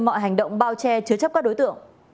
mọi hành động bao che chứa chấp các đối tượng